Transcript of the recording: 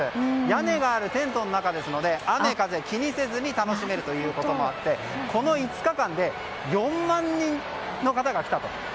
屋根があるテントの中ですので雨風を気にせずに楽しめるということもあってこの５日間で４万人の方が来たと。